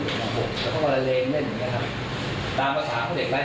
ของเราคุณคิดว่าวันที่เป็นวันป่าวจะพอเอาหรือไม่